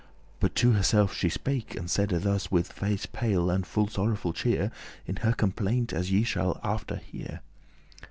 But to herself she spake, and saide thus, With face pale, and full sorrowful cheer, In her complaint, as ye shall after hear.